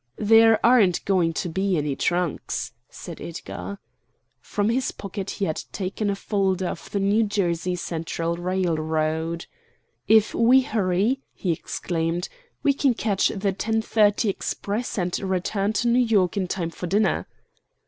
"There aren't going to be any trunks," said Edgar. From his pocket he had taken a folder of the New Jersey Central Railroad. "If we hurry," he exclaimed, "we can catch the ten thirty express, and return to New York in time for dinner."